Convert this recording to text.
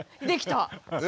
できた。